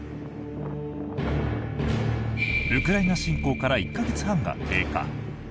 ウクライナ侵攻から１か月半が経過。